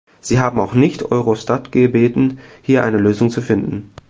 Sie haben auch nicht Eurostat gebeten, hier eine Lösung zu finden.